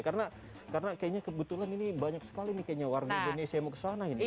karena kayaknya kebetulan ini banyak sekali nih kayaknya warna indonesia yang mau kesana ini